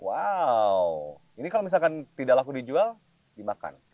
wow ini kalau misalkan tidak laku dijual dimakan